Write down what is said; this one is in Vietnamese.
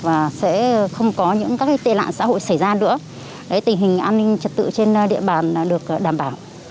và sẽ không có những các tệ nạn xã hội xảy ra nữa tình hình an ninh trật tự trên địa bàn được đảm bảo